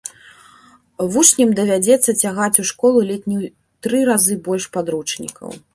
Вучням давядзецца цягаць у школу ледзь не ў тры разы больш падручнікаў.